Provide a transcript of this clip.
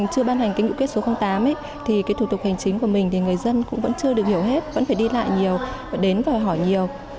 chưa ban hành cái nghị quyết số tám thì cái thủ tục hành chính của mình thì người dân cũng vẫn chưa được hiểu hết vẫn phải đi lại nhiều và đến và hỏi nhiều